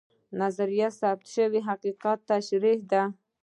نظریه د ثبوت شوي حقیقت تشریح ده